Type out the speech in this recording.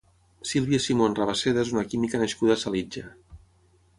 Sílvia Simon Rabasseda és una química nascuda a Salitja.